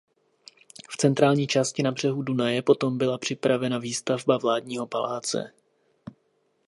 V centrální části na břehu Dunaje potom byla připravena výstavba vládního paláce.